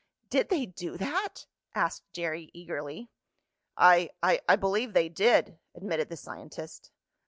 "Did they do that?" asked Jerry eagerly. "I I believe they did," admitted the scientist.